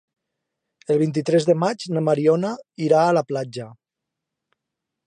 El vint-i-tres de maig na Mariona irà a la platja.